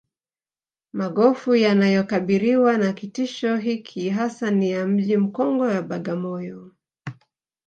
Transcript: Magofu yanayokabiriwa na kitisho hiki hasa ni ya Mji mkongwe wa Bagamoyo